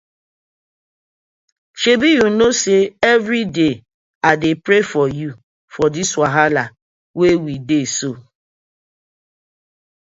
Shebi yu kno say everyday I dey pray for yu for this wahala wey we dey so.